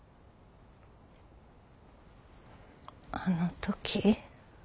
あの時。